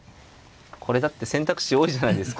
これだって選択肢多いじゃないですか。